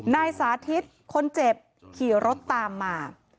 นายสาธิตคนเจ็บขี่รถตามมา